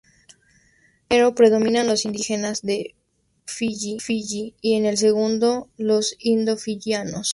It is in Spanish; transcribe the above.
En el primero predominan los indígenas de Fiyi y en el segundo, los indo-fiyianos.